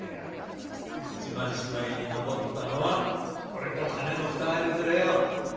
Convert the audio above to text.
一番しまいに残ったのは俺と金の２人連れよ。